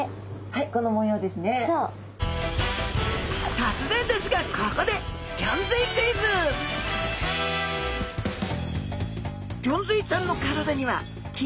突然ですがここでギョンズイちゃんの体には黄色いしま